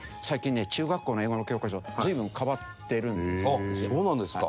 あっそうなんですか。